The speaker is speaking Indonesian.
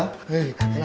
eh tenang ya